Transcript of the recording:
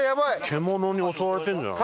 獣に襲われてるんじゃない？